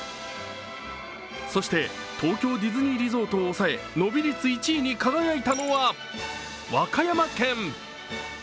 そして東京ディズニーリゾートをおさえ伸び率１位に輝いたのは和歌山県。